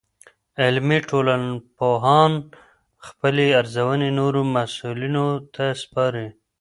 عملي ټولنپوهان خپلې ارزونې نورو مسؤلینو ته سپاري.